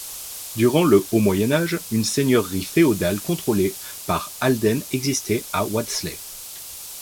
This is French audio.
Durant le haut Moyen Âge, une seigneurie féodale contrôlée par Aldene existait à Wadsley.